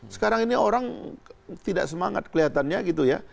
sekarang ini orang tidak semangat kelihatannya gitu ya